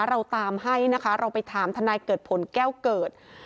เราตามให้นะคะเราไปถามทนายเกิดผลแก้วเกิด